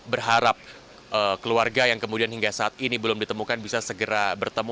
berharap keluarga yang kemudian hingga saat ini belum ditemukan bisa segera bertemu